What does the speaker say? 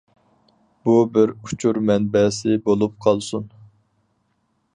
بۇ بىر ئۇچۇر مەنبەسى بولۇپ قالسۇن.